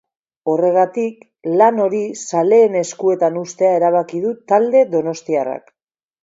Horregatik, lan hori zaleen eskuetan uztea erabaki du talde donostiarrak.